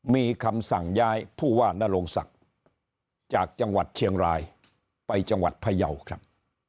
มีคำสั่งย้ายผู้ว่านโรงศักดิ์จากจังหวัดเชียงรายไปจังหวัดพยาวครับ